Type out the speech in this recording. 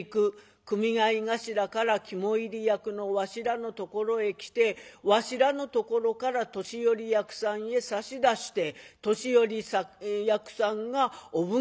組合頭から肝煎り役のわしらのところへ来てわしらのところから年寄役さんへ差し出して年寄役さんがお奉行所へ。